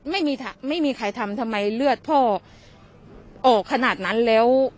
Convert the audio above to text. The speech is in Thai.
ไม่มีใครทำทำไมเลือดพ่อออกขนาดนั้นแล้ว